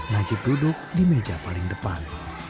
najib duduk di meja paling depan